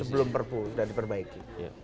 sebelum perpu sudah diperbaiki